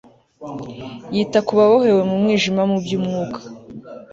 yita ku babohewe mu mwijima mu byumwuka